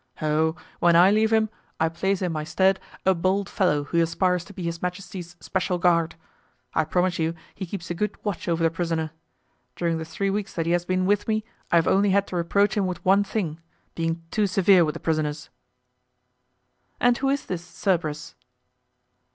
"Oh! when I leave him, I place in my stead a bold fellow who aspires to be his majesty's special guard. I promise you he keeps a good watch over the prisoner. During the three weeks that he has been with me, I have only had to reproach him with one thing—being too severe with the prisoners." "And who is this Cerberus?"